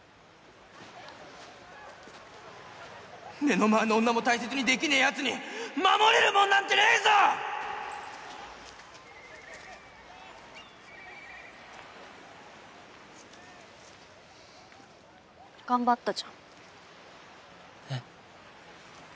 目の前の女も大切にできねぇヤツに守れるもんなんてねぇぞ‼頑張ったじゃんえっ？